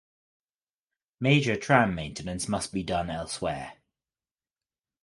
Major tram maintenance must be done elsewhere.